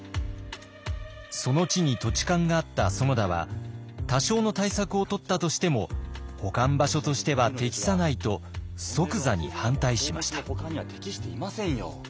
その地に土地勘があった園田は多少の対策をとったとしても保管場所としては適さないと即座に反対しました。